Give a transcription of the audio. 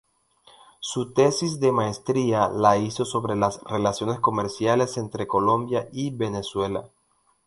Su tesis de maestría la hizo sobre las relaciones comerciales entre Colombia y Venezuela.